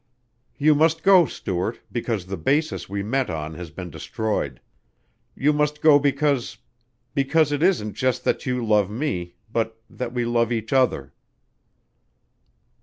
"You must go, Stuart, because the basis we met on has been destroyed. You must go because because it isn't just that you love me, but that we love each other."